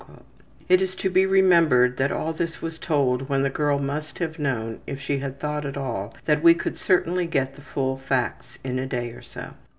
'' (It is to be remembered that all this was told when the girl must have known, if she had thought at all, that we would certainly get the full facts in a day or so.)